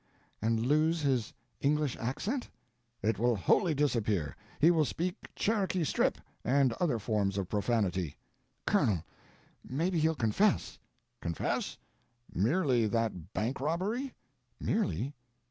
"And lose his English accent?" "It will wholly disappear. He will speak Cherokee Strip—and other forms of profanity." "Colonel, maybe he'll confess!" "Confess? Merely that bank robbery?" "Merely?